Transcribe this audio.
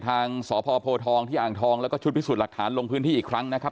ทางสพโพทองที่อ่างทองแล้วก็ชุดพิสูจน์หลักฐานลงพื้นที่อีกครั้งนะครับ